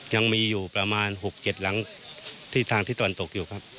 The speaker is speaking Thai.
ยังมีอยู่ประมาณ๖๗หลังที่ทางที่ตะวันตกอยู่ครับ